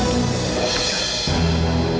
ini tidak mungkin